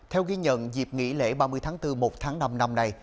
theo ghi nhận dịp nghỉ lễ ba mươi tháng bốn một tháng năm năm nay